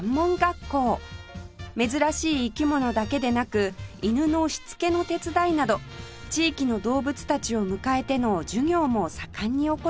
珍しい生き物だけでなく犬のしつけの手伝いなど地域の動物たちを迎えての授業も盛んに行っています